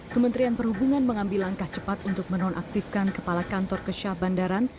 kementerian perhubungan mengambil langkah cepat untuk menonaktifkan kepala kantor kesyah bandaran